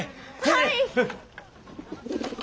はい。